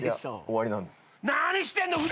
何してんの！